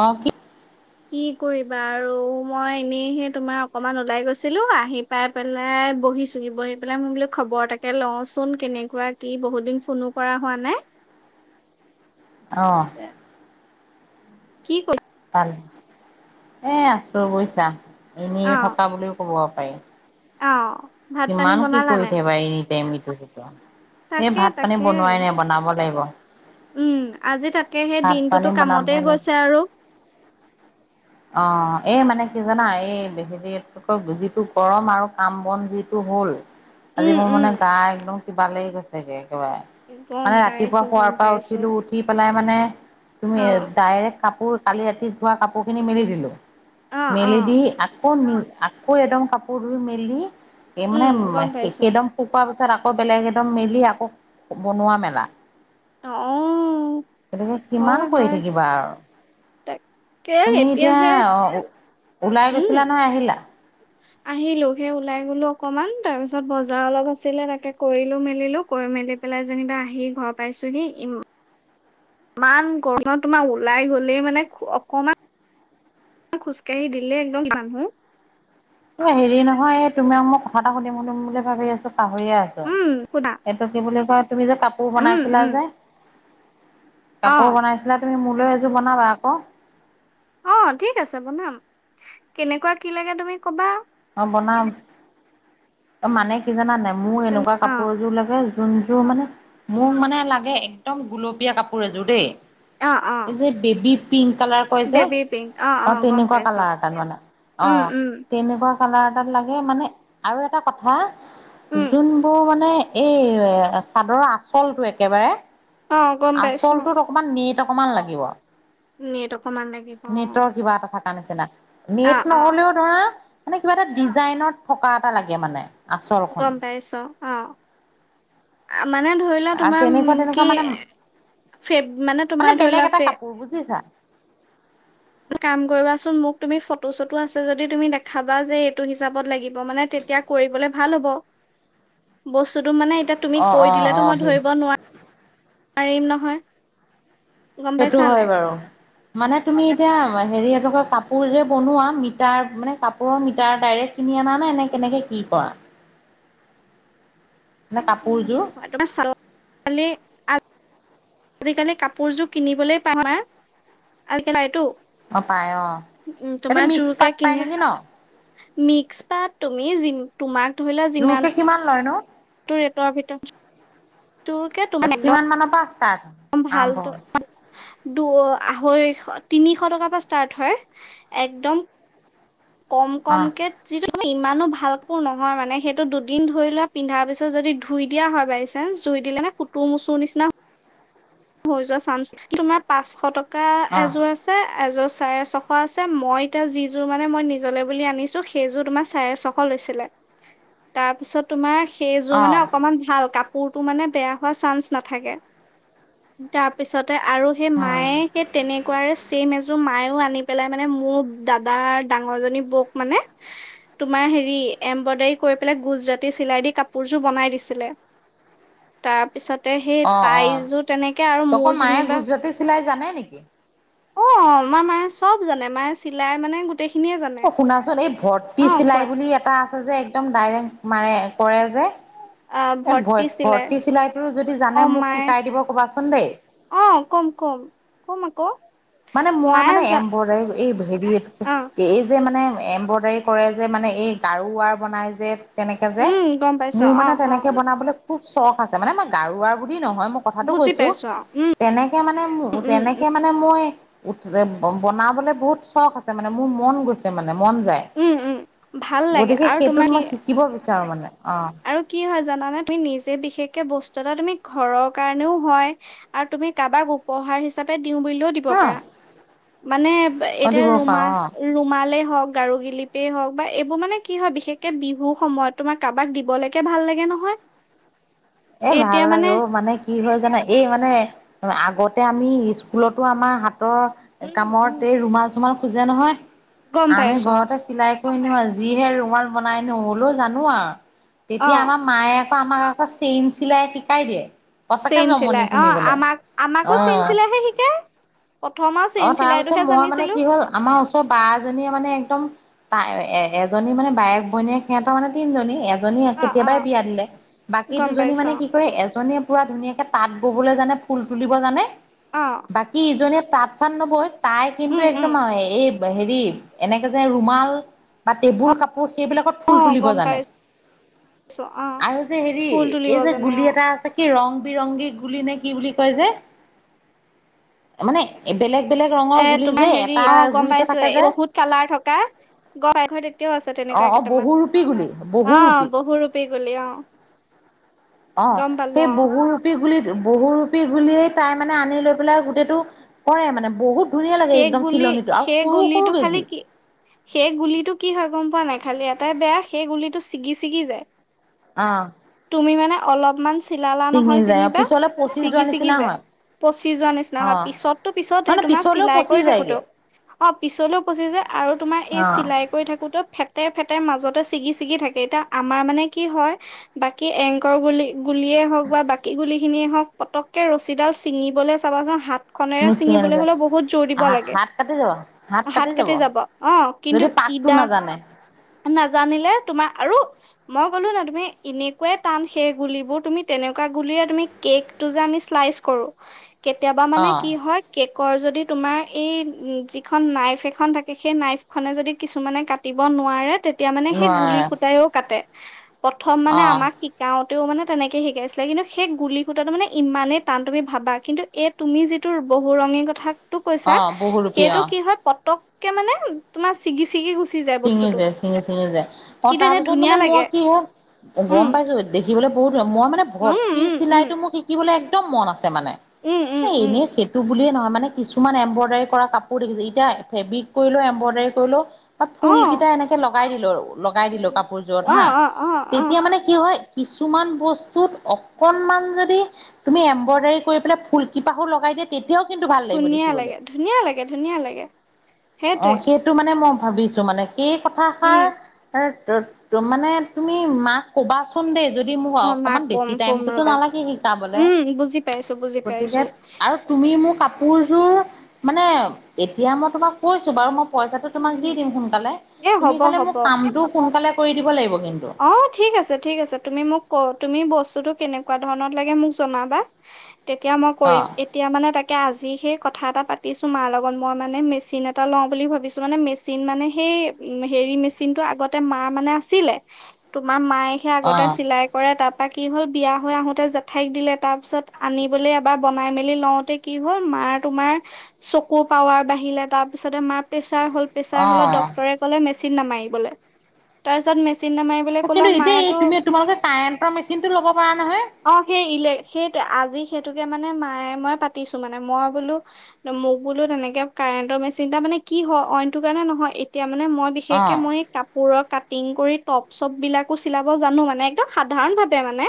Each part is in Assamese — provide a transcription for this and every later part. অ'! কি কি কৰিবা আৰু মই এনেইহে তোমাৰ অকমান ওলাই গৈছিলোঁ, আহি পাই পেলাই বহিছোহি। বহি পেলাই মই বোলো খবৰ এটাকে লওঁচোন। কেনেকুৱা, কি, বহুত দিন ফোনো কৰা হোৱা নাই। অ'! কি কৰি ভাল এ, আছোঁ বুইছা। এনেও অ থকা বুলিও ক'ব পাৰি। অ'! ভাত পানী কিমান কি বনালা কৰি নে থাকিবা। এনিটাইম ইটো সিটো। এই তাকে ভাত পানী তাকে বনোৱাই নাই। বনাব লাগিব। উম! আজি তাকে সেই ভাত পানী দিনটোতো বনাব কামতেই লাগিব গৈছে আৰু। অ'! এ, মানে কি জানা, এই [unintelligible] যিটো গৰম আৰু কাম বন যিটো হ'ল। আজি উম মোৰ উম মানে, গা একদম কিবা লাগি গৈছেগে। গম মানে, ৰাতিপুৱা পাইছো শুৱাৰ গম পৰা পাইছো উঠিলোঁ, উঠি পেলাই মানে, তুমি অ ডাৰেক কাপোৰ, কালি ৰাতি ধোৱা কাপোৰ খিনি মেলি দিলোঁ। অ অ মেলি দি আকৌ আকৌ, একদম কাপোৰ ধুই মেলি এই উম মানে, গম পাইছো একেদম শুকা তাৰপিছত আকৌ, বেলেগ একদম মেলি, আকৌ বনোৱা মেলা। অঁ! গতিকে, কিমান কৰি থাকিবা আৰু তাকে তুমি এতিয়া এতিয়াহে অ' ওলাই গৈছিলা নহয় আহিলা? আহিলোঁ। সেই ওলাই গলোঁ অকণমান। তাৰ পিছত, বজাৰ অলপ আছিলে, তাকে কৰিলোঁ মেলিলো কৰি মেলি পেলা পেলাই যেনিবা আহি ঘৰ পাইছোঁহি। ইমান গৰমত তোমাৰ ওলাই গ'লেই মানে, অকমান খোজকাঢ়ি দিলে একদম মানুহ হেৰি নহয়। এ, তোমাক মই কথা এটা সুধিম, সুধিম বুলি ভাবি আছোঁ! পাহৰিয়ে আছোঁ। উম সোধা এইটো কি বুলি কয়, তুমি যে কাপোৰ উম বনাইছিলা উম যে অ কাপোৰ বনাইছিলা। তুমি মোলৈ এযোৰ বনাবা আকৌ? অ'! ঠিক আছে বনাম। কেনেকুৱা কি লাগে তুমি ক'বা? অ'! বনাম। অ'! মানে, কি জানা নাই মোৰ তুমি এনেকুৱা অ কাপোৰ এযোৰ লাগে। যোন জোৰ মানে, মোৰ মানে লাগে একদম গুলপীয়া কাপোৰ এযোৰ দেই। অ অ এই যে বেবি পিংক কালাৰ কৈ যে? বেবী পিংক অ'! গম তেনেকুৱা পাইছো কালাৰ এটা লোৱানা। উম অ'! উম তেনেকুৱা কালাৰ এটাত লাগে মানে আৰু এটা কথা উম যোনবোৰ মানে, এই [unintelligible] চাদৰৰ আচলটো একেবাৰে, অ গম পাইছো আচলটো অকমান নেট অকমান লাগিব। নেট অকমান লাগিব। অ'! তাৰ নিচিনা। অ নেট অ নহ'লেও ধৰা, মানে কিবা এটা ডিজাইনত থকা এটা লাগে মানে। আচলখন গম পাইছোঁ। অ'! মানে, ধৰি লোৱা তোমাৰ তেনেকুৱা তেনেকুৱা কি? মানে ফে মানে তোমাৰ ধৰি বেলেগ লোৱা এটা ফে। কাপোৰ বুজিছা। কাম কৰিবাচোন মোক তুমি ফটো চটো আছে যদি তুমি দেখাবা যে এইটো হিচাপত লাগিব মানে। তেতিয়া কৰিবলে ভাল হব বছ। তো মানেএতিয়া তুমি অ অ কৈ অ দিলেটো মই ধৰিব নোৱাৰিম নহয়। গম সেইটো পাইছা হয় নাই বাৰু মানে তুমি এতিয়া। হেৰি এটো কি কয় কাপোৰ যে বনোৱা মিটাৰ মানে কাপোৰৰ মিটাৰ ডাইৰেক কিনি আনা নে এনে কেনেকে। কি কৰা। মানে উম কাপোৰযোৰ? চালে আ। আজিকালি কাপোৰযোৰ কিনিবলৈ পামা আজিকালটো। অ পায় অ। উম এইটো তোমাৰ মিক্স জোৰকে পাত পাই কিনা। নেকি ন? মিক্স পাত তুমি যি। জোৰকে কিমান লয় নো। তোৰ এইটো ভিতৰত তোৰ কে তোমা কিমান মানৰ পৰা ষ্টাৰ্ট হয়? ভাল আৰম্ভ ত হয়? দুৱ আহৈ খ। তিনিশ টকাৰ পৰা ষ্টাৰ্ট হয় একদম। কম অহ কমকে। ইমানো ভালকো নহয় মানে সেইটো দুদিন ধৰি লোৱা পিন্ধা পিছত যদি ধুই দিয়া হয় বাই চান্স। ধুই দিলে নে কুতু মোচুৰ নিচিনা। হৈ যোৱা চানস তোমাৰ পাঁচশ টকা এযোৰ অহ আছে। এযোৰ চাৰে চশ আছে মই এতিয়া যিযোৰ মানে মই নিজলৈ বুলি আনিছো সেইযোৰ তোমাৰ চাৰে চশ লৈ। ছিলে তাৰপিছত তোমাৰ। সেইযোৰ অহ মানে অকমান ভাল কাপোৰটো মানে বেয়া হোৱা চান্স নাথাকে। তাৰ পিছতে আৰু সেই উম মায়ে সেই তেনেক। ক চছেম এযোৰ মায়ও আনি পেলাই মানে মোৰ দাদাৰ ডাঙৰ জনী বৌক মানে। তোমাৰ হেৰি এম্ব্ৰইডাৰী কৰি পেলাই গুজৰাটী চিলাই দি কাপোৰযোৰ বনাই দিছিলে। তাৰপিছতে সেই অ তাই অ। যোত। তেনেকে আৰু আকৌ মোৰ মায়ে যেনিবা। গুজৰাটী চিলাই জানে নেকি? অ মমাৰ মায়ে চব জানে মায়ে চিলাই মানে গ। অ শুনাচোন এই ভৰ্তি চিলাই কোৱা বুলি এটা আছে। যে একদম ডাইৰেক্ট মাৰে কৰে যে। আহ এই ভ ভৰ্তি চিলাই ভৰ্তি চিলাইটো যদি অ জানে মোক মায়ে শিকাই দিব কবাচোন দেই। অ কম কম কম আকৌ। মানে মই মায়ে মানে যা এম্বৰ্ডাৰ, এই হেৰি অ এই। যে মানে এম্ব্ৰইডাৰী কৰে যে মানে এই গাৰু ৰ বনাই যে। তেনেকে যে, উম গম পাইছ মোৰ অ মানে অ তেনেকে বনাবলৈ খুব চখ আছে মানে মই গাৰুৱাৰ বোৰ। নহয় মই কথাটো বুজি কৈছো, পাইছো অ উম তেনেকে মানে উম উম তেনেকে মানে মই। উঠ বনাবলে বহুত চখ আছে মানে মোৰ মন গৈছে মানে। মন যায়, উম, উম ভাল লাগে গতিকে আৰু সেইটোত তোমাৰ কি মই শিকিব বিচাৰো মানে। অ', আৰু কি হয় জানানে তুমি নিজে বিশেষকে বস্তু। যথা তুমি ঘৰৰ কাৰণেও হয় আৰু তুমি কাৰোবাক উপহাৰ হিচাপে। দিওঁ বুলিলেও দিব হা পাৰা, মানে অ', এতিয়া দিব পাৰো অ'। ৰুমালে। হক গাৰু গিলিপেই হওক বা এইবোৰ মানে কি হয় বিশেষকে বিহু সময়ত তোমাৰ কাৰোবাক। বলেকে ভাল লাগে নহয়। এ ভাল লাগে মানে কি হৈ। জানা এই মানে আগতে আমি স্কুলতো আমাৰ হাত। উম, কাম উম এই ৰুমাল চোমাল খোজে নহয়, গম আমি পাইছো অ', ঘৰতে চিলাই। নয় যিহে ৰুমাল বনাই নহ'লেও জানো আৰু, তেতিয়া অ', আমাৰ মায়ে আকৌ আমাক আকৌ। চেইন চিলাই শিকাই দিয়ে। সঁচাকে চেইন জমনি চিলাই অ', শুনিবলৈ, আমাক আমাকো চেইন আহ। চিলাইহে শিকাই প্ৰথম আৰু অ চেইন তাৰপিছত চিলাইটোহে মই মানে জানিছিলো কি হ'ল আমাৰ ওচৰৰ বা এজনীয়ে মানে একদম। তাই এ এজনী মানে বায়েক বনীয়ে সিহঁতৰ মানে তিনিজনী এ জনী অ', কেতিয়াবাই অ', বিয়া দিলে বাকী গম দুজনী পাইছো মানে কি কৰে এ জনীয়ে পুৰা ধুনীয়াকে তাঁত ববলৈ জানে ফুল তুলিব জানে অ', বাকী ইজনীয়ে তাঁত চাত নবই তাই কিন্তু উম, উম। একদম এই হেৰি এনেকে যে ৰুমাল, বা টেবুল কাপোৰ পো সেইবিলাকত অ ফুল তুলিব গম জানে, পাইছো অ আৰু যে হেৰি। ফুল তুলিব এই যে জানে গুলি অ এটা আছে কি ৰং বিৰংগী গুলি নে কি বুলি কয় যে মানে বেলেগ বেলেগ ৰঙৰ এ গুলি তোমাৰ যে হেৰি এটা অ গম গুলিতে পাইছো থাকে এই যে বহুত কালাৰ থকা, গ পাই ঘৰ এতিয়াও আছে তেন- অ', এনেকুৱা অ', কেইটামান বহুৰূপী গুলি অ বহু ৰূপী গুলী অ। হয়। অ গম পালো সেই অ বহু ৰূপী গুলিত বহুৰূপ গুলিয়েই তাই মানে আনি লৈ পেলাই গোটেইটো কৰে মানে বহুত। ধুনীয়া লাগে সেই একদম গুলি চিলনিটো আৰু সেই সৰু সৰু গুলিটো খালি, বেজি কি সেই গুলিটো কি হয় গম পোৱা নাই খালি এটাই বেয়া সেই গুলিটো ছিগি ছিগি যায়। অ। তুমি মানে অলপমান চিলালা ছিঙি নহয় যায় অ', যেনিবা, পিছলে পচি যোৱা ছিগি ছিগি নিচিনা যায় হয় পচি যোৱা নিচিনা হয় অ', পিছতো পিছত মানে তোমাৰ পিছলেও চিলাই। পচি কৰি থাকো তো যায়গে অ পিছলেও কৈছে যে আৰু তোমাৰ এই অ', চিলাই কৰি থাকোতেো ফেতেৰ ফেতেৰ মাজত ছিগি চিগি থাকে এতিয়া আমাৰ মানে কি হয় বাকী এংকৰ বুলি গুলিয়ে হওক বা বাকী গুলি খিনিয়ে হওঁক পতকে ৰছীডাল ছিঙিবলৈ চাবাচোন হাত খনেৰা নিচিঙে ছিঙিবলৈ নাযায় হলেও বহুত জোৰ দিব লাগে হাত কাটি যাব অ কিন্তু যদি পাকটো ইদা নাজানে নাজানিলে তোমাৰ আৰু মই ক'লো ন তুমি এনেকুৱে টান সেই গুলিবোৰ তুমি তে তেনেকুৱা গুলিয়ে তুমি কেকটো যে আমি শ্লাইচ কৰো কেতিয়াবা মানে অ', কি হয় কেক ৰ যদি তোমাৰ এই যিখন নাইফ এখন থাকে সেই নাইফ খনে যদি কিছুমানে কাটিব নো নোৱাৰে তেতিয়া মানে সেই গুলি নোৱাৰে শুটাইও কাটে। প্ৰথম মানে অ', আমাক শিকাও মানে তেনেকে শিকাইছিলে কিন্তু সেই গুলি শুটাটো মানে ইমানেই টান তুমি ভাবা কিন্তু এই তুমি যিটো বহু ৰঙী কথা টো কৈছা অ', বহুৰূপী সেইটো অ', কি হয় পতককে মানে তোমাৰ ছিগি ছিগি গুচি যায় ছিঙি বস্তুটো যায় ছিঙি ছিঙি যায় অ কিন্তু তাৰ এনে পিছত ধুনীয়া মানে লাগে মই কি হয় গম উম পাইছো দেখিবলৈ মই মানে উম ভৰ্তি উম উম চিলাইটো মোৰ শিকিবলৈ একদম মন আছে মানে। উম উম উম এনেই সেইটো বুলিয়ে নহয় মানে কিছুমান এম্ব্ৰইডাৰী কৰা কাপোৰ দেখিছোঁ এতিয়া ফেব্ৰিক কৰিলেও এম্ব্ৰইডাৰী কৰিলেও বা অ ফুল কিটা এনেকে লগাই দিলো লগাই দিলো কাপোৰযোৰত অ হা অ অ অ তেতিয়া মানে কি হয় কিছুমান বস্তুত অকনমান যদি তুমি এম্ব্ৰইডাৰী কৰি পেলাই ফুল কিপাহু লগাই তেতিয়াও কিন্তু ভাল লাগিব ধুনীয়া দেখিবলৈ লাগে ধুনীয়া লাগে ধুনীয়া লাগে অ সেইটোৱে সেইটো মানে মই ভাবিছো মানে সেই উম কথাষাৰ ত ত মানে তুমি মাক কবাচোন দেই যদি মোক মই মাক অকমান কম বেছি কম টাইমতো ৰবা নালাগে শিকাবলে উম বুজি পাইছো বুজি গতিকে পাইছো আৰু তুমি মোক কা কাপোৰযোৰ মানে এতিয়া মই তোমাক কৈছো বাৰু মই পইচাটো উম তোমাক দি উম দিম সোন কালে এ তুমি হ'ব খালি হ'ব মোক কামটো সোনকালে কৰি দিব লাগিব। কিন্তু অ ঠিক আছে ঠিক আছে তুমি মোক ক তুমি বস্ত বস্তুটো কেনেকুৱা ধৰণত লাগে মোক জনাবা তেতিয়া মই অ কৰিম এতিয়া মানে তাক এতিয়া আজি সেই কথা এটা পাতিছো মাৰ লগত মই মানে মেচিন এটা লওঁ বুলি ভাবিছো মানে মেচিন মানে সেই এই হেৰি মেচিন টো আগতে মা মানে আছিলে তোমাৰ মায়েহে অ আগতে চিলাই কৰে তাত কি হল বিয়া হৈ আহোতে জেঠাইক দিলে তাৰ পিছত আনিবলৈ এবাৰ বনাই মেলি লওতে কি হ'ল মা তুমাৰ চকু পাৱৰ বাঢিলে তাৰপিছতে মা। প্ৰেচাৰ হল প্ৰেচাৰ অ হলত ডক্তৰে কলে মেচিন নেমাৰিবলে তাৰপিছত কিন্তু এতিয়া এই তুমি তোমালোকে কাৰেন্টৰ মেচিন টো ল'ব পৰা নহয়। অ সেই ইলে সেইটো আজি সেইটোকে মানে মায়ে মই পাতিছো মানে মই বোলো মোক বোলো তেনেকে কাৰেণ্টৰ মেচিনটা মানে কি অ অইনটো কাৰণে নহয় এতিয়া মানে মই অ বিশেষকে মই কাপোৰৰ কাটিং কৰি। টপ চপ বিলাকো চিলাব জানো মানে একদম সাধাৰণ ভাৱে মানে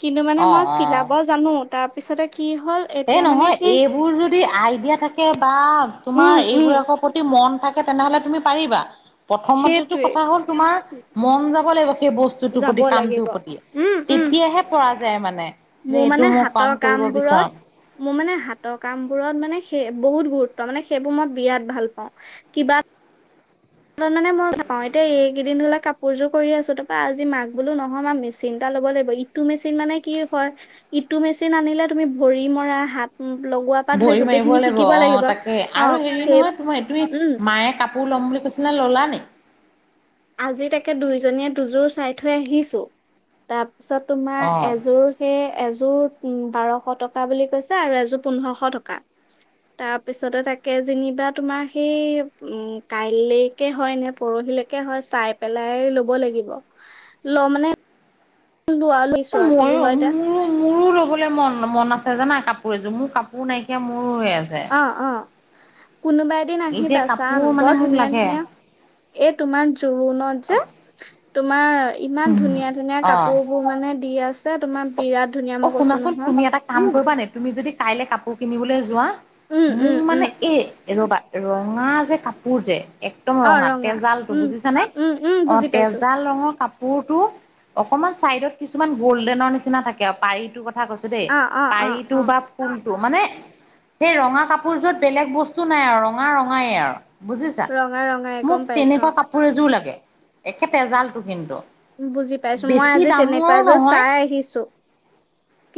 কিন্তু মানে অ মই অ চিলাব জানো তাৰ পিছতে কি হ'ল এ এতিয়া মানে নহয় সেই এইবোৰ যদি আইডিয়া থাকে বা তোমাৰ উম উম এইবোৰ আকৰ প্ৰতি মন থাকে তেনেহলে তুমি পাৰিবা প্ৰথমতেতো সেইটোৱে কথা হ'ল তোমাৰ মন যাব লাগিব। সেই বস্তুটোৰ যাব প্ৰতি লাগিব কামটোৰ প্ৰতি উম উম তেতিয়াহে পৰা যায় মানে যে মোৰ এইটো মানে মই কাম কৰিব। হাতৰ কাম কৰিব কামবোৰত বিচাৰোঁ। মোৰ মানে হাতৰ কামবোৰত মানে সেই বহুত গুৰুত্ব মানে সেইবোৰ মই বিৰাট ভাল পাওঁ কিবা মানে মই পাও এতিয়া এইকেইদিন হলে কাপোৰযোৰ কৰি আছো তাৰপৰা আজি মাক বোলো নহয় মা মিচিন্তা লব লাগিব ইটো মেচিন মানে কি হয় ইটো মেচিন আনিলে ভৰি মৰা হাত। লগোৱাৰ পৰা ধৰি ভৰি মাৰিব গোটেইখিনি লাগিব শিকিব অ তাকে অ আৰু হেৰি সেই নহয় তোমাৰ উম এইটো মায়ে কাপ। কাপোৰ লম বুলি কৈছিল নহয় ল'লা নি আজি তাকে দুইজনীয়ে দুযোৰ চাই থৈ আহিছো তাৰ তাৰপিছত তোমাৰ অ এযোৰ সেই এযোৰ। এযোৰ উ বাৰশ টকা বুলি কৈছে আৰু এযোৰ পোন্ধৰশ টকা। তাৰ পিছতে তাকে যেনিবা তোমাৰ সেই উম কাইলৈকে হয় নে পৰহিলৈকে। কে হয় চাই পেলাই ল'ব লাগিব, ল মানে। লোৱা লৈছোঁ আও কি ময়ো হৈ তে মোৰো মোৰো ল'বলৈ মন মন আছে জানা কাপোৰ এযোৰ, মোৰ কাপোৰ নাইকিয়া মোৰ। অ অ কোনোবা এদিন এতিয়া আহিবা চাম, কাপোৰ মানে বৰ মোক ধুনীয়া লাগে ধুনীয়া এই তোমাৰ জোৰোণত যে তোমাৰ ইমান উম ধুনীয়া ধুনীয়া অ' কাপোৰ বোৰ মানে দি আছ আছে তোমাৰ বিৰাট ধুনীয়া অ' মই কৈছো শুনাচোন তুমি এটা কাম নহয়। কৰিবা নে তুমি যদি কাইলৈ কাপোৰ কিনিবলৈ যোৱা উম, মোক উম, উম, মানে এ ৰবা ৰঙা যে কাপোৰ যে একদম অ', ৰঙা তেজাল টো উম, বুজিছ নে উম, উম, অ বুজি পাইছো তেজাল ৰঙৰ কাপ। পুৰ টো অকণমান চাইডত কিছুমান গ'ল্ডেনৰ নিচিনা থাকে আৰু পাৰি টো কথা কৈছো দেই অ', অ', অ', পাৰিটো অ', বা ফোল, মানে সেই ৰঙা কাপোৰ যুৰত বেলেগ বস্তু নাই আৰু ৰঙা ৰঙাই আৰু। বুজিছা ৰঙা ৰঙাই মোক গম পাইছো তেনেকুৱা কাপোৰ এযোৰ লাগে একে তেজালটো কিন্তু। বুজি পাইছো মই বেছি আজি দামৰো তেনেকুৱা জো নহয় চাই আহিছো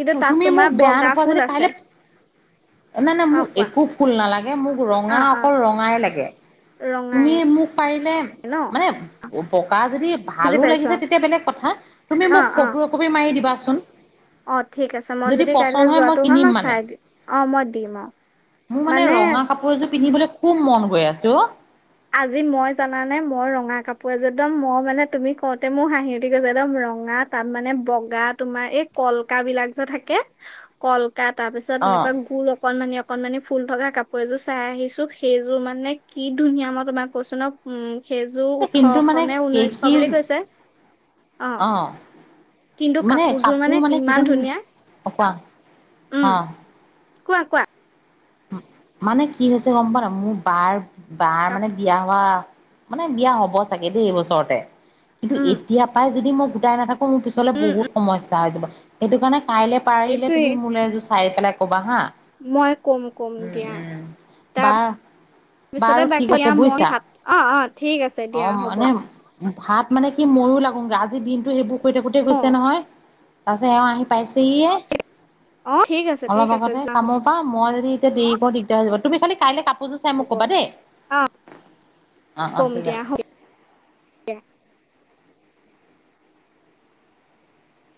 কিন্তু তাত তুমি মোক তোমাৰ বেয়া বগা নোপোৱা ফুল যদি আছে। কাইলে নাই নাই মোক অ', কোৱা একো ফুল নালাগে মোক ৰঙা অকল ৰঙাই লাগে। ৰং তুমি মোক পাৰিলে, মানে বকা যদি বুজি ভালো পাইছো লাগিছে তেতিয়া বেলেগ কথা তুমি অ', মোক অ', অ', ফটো একপি মাৰি দিবাচোন অ ঠিক আছে মই যদি কাইলৈ যোৱাটো হয় মই চাই দিম, অ মই দিম অ। মোৰ মানে ৰঙা কাপোৰ এযোৰ পিন্ধিবলৈ খুব মন গৈ আছে ঔ আজি মই জানা নে মই ৰঙা কাপোৰ এ জোৰ একদম মই মানে তুমি কওঁতে মোৰ হাঁহি দি কৈছে একদম ৰঙা তাত মানে বগা তোমাৰ এই কলক বিলাক যে থাকে কল তাৰ পিছত এনেকুৱা গোল অকনমানি অকনমানানি ফুল থকা কাপোৰ এযোৰ চাই আহিছো, সেইযোৰ মানে কি ধুনীয়া মই তোমাক কৈছো ন, উম। সেইযোৰ অ কিন্তু ওঠৰশ নে ঊনৈছশ বুলি কৈছে। অ কিন্তু অহ। মানে কাপোৰযোৰ কাপোৰ মানে ইমান কিজানি ধুনীয়া অকোৱা উম অ কোৱা কোৱা? মানে কি হৈছে গম পোৱা ন মোৰ বাৰ বাৰ কাপ মানে বিয়া হোৱা মানে বিয়া হব চাগে দেই এইবছৰতে, কিন্তু উম এতিয়া পাই যদি মই গোটাই নাথাকো পোন পিছলে উম বহুত উম সময় হৈ জাই যাব, সেইটো কাৰণে কাইলৈ পাৰিলে এইটোৱে তুমি মোলৈ এযোৰ চাই পেলাই কবা হা, মই কম কম দিয়া। বা তাৰপিছতে বাকী দিয়া মই ভাত, অ অ ঠিক আছে অ দিয়া হ'ব। মানে ভাত মানে কি ময়ো লগোঙগে আজি দিনটো সেইবোৰ ক কৰি থাকোতে অ গৈছে নহয়, তাৰ পিছত এওঁ আহি পাই চেহিয়ে, অ ঠিক আছে ঠিক অলপ আছে আগতে যোৱা কামৰ পাম মই যদি এতিয়া দেৰিকও দিগদাৰ হৈ যাব, তুমি খাকি কাইলৈ কাপ জো চাই মোক হ'ব ক'বা দেই, অ অ অ ঠিক আছে। এ